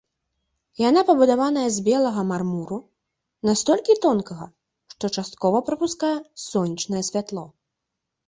Яна пабудаваная з белага мармуру, настолькі тонкага, што часткова прапускае сонечнае святло.